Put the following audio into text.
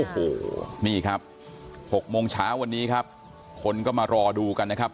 โอ้โหนี่ครับ๖โมงเช้าวันนี้ครับคนก็มารอดูกันนะครับ